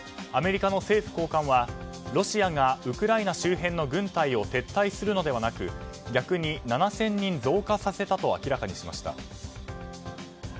アメリカの政府高官はロシアがウクライナ周辺の軍隊を撤退するのではなく逆に７０００人増加させたと明らかにしました。